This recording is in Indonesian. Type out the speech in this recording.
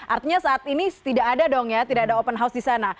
artinya saat ini tidak ada dong ya tidak ada open house di sana